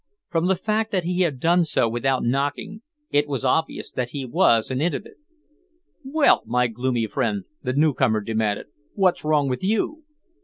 From the fact that he had done so without knocking, it was obvious that he was an intimate. "Well, my gloomy friend," the newcomer demanded, "what's wrong with you?"